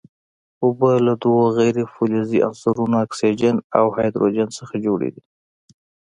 اوبه له دوو غیر فلزي عنصرونو اکسیجن او هایدروجن څخه جوړې دي.